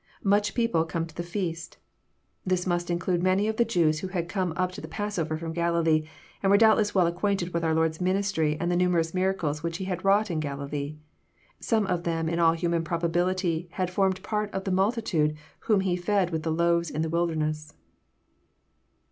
[Much people. „come to the feast.'] This must include many of the Jews who had come up to the passover from Galilee, and were doubtless well acquainted with our Lord's ministry and the numerous miracles He had wrought in Galilee. Some of them in all human probability had formed part of the multitude whom He fed with a few loaves in the wilderness.